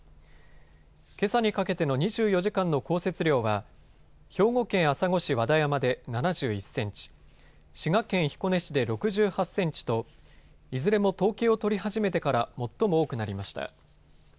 けさにかけての２４時間の降雪量は兵庫県朝来市和田山で７１センチ、滋賀県彦根市で６８センチといずれも統計を取り始めてから最も多くなりました。